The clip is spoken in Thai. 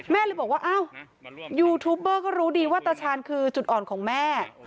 เลยบอกว่าอ้าวยูทูปเบอร์ก็รู้ดีว่าตาชาญคือจุดอ่อนของแม่